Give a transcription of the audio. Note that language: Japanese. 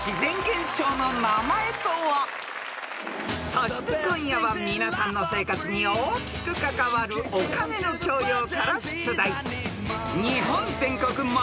［そして今夜は皆さんの生活に大きく関わるお金の教養から出題］